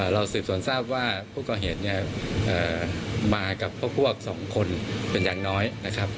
เราสืบสวนทราบว่าผู้ก่อเหตุเนี่ยมากับพวกสองคนเป็นอย่างน้อยนะครับ